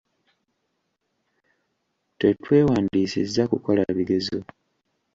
Twetwewandiisizza kukola bigezo.